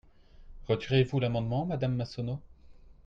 Retirez-vous l’amendement, madame Massonneau?